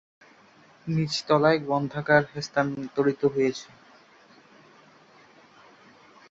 নীচতলায় গ্রন্থাগার স্থানান্তরিত হয়েছে।